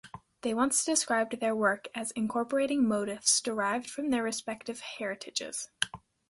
They once described their work as incorporating motifs derived from their respective heritages.